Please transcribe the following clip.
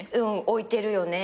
置いてるよね